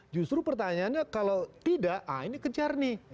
justru pertanyaannya kalau tidak ini kejarni